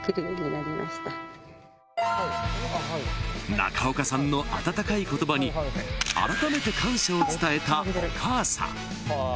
［中岡さんの温かい言葉にあらためて感謝を伝えたお母さん］